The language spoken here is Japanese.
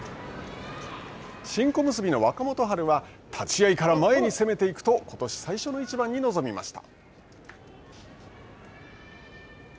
新小結の若元春は立ち合いから前に攻めていくとことし最初の一番に臨みました。